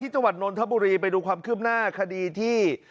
จังหวัดนนทบุรีไปดูความคืบหน้าคดีที่